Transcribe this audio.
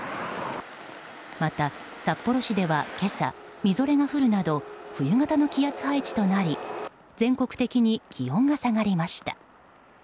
また、札幌市では今朝、みぞれが降るなど冬型の気圧配置となり全国的に気温が下がりました。